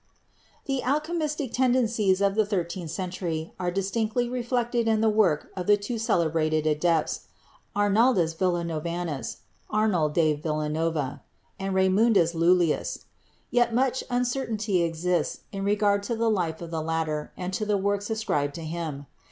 The alchemistic tendencies of the thirteenth century are distinctly reflected in the work of the two celebrated adepts, Arnaldus Villanovanus (Arnold de Villanova) and Raymundus Lullius, yet much uncertainty exists in regard to the life of the latter and to the works ascribed to him.